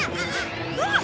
うわっ！